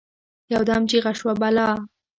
يودم چیغه شوه: «بلا!»